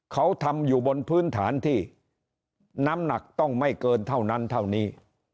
เขาทำอยู่บนพื้นฐานที่น้ำหนักต้องไม่เกินเท่านั้นเท่านี้